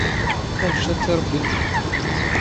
ⴰⴷⵊⴰⵜ ⵜ ⵉ ⵕⴱⴱⵉ.